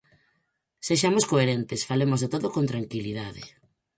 Sexamos coherentes, falemos de todo con tranquilidade.